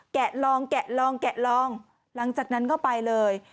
แกะลองแกะลองแกะลองหลังจากนั้นก็ไปเลย